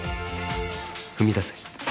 踏み出せ。